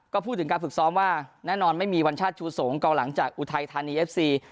ก็พูดถึงการฝึกซ้อมว่าแน่นอนไม่มีวัญชาติชูสงกองหลังจากอุทัยธานีเอฟซี